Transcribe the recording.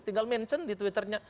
tinggal mention di twitternya